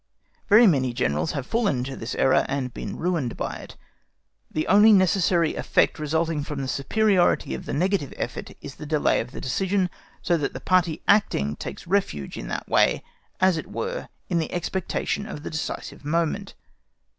Very many Generals have fallen into this error, and been ruined by it. The only necessary effect resulting from the superiority of the negative effort is the delay of the decision, so that the party acting takes refuge in that way, as it were, in the expectation of the decisive moment.